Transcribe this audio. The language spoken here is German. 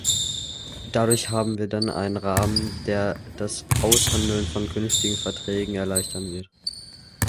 Dadurch haben wir dann einen Rahmen, der das Aushandeln von künftigen Verträgen erleichtern wird.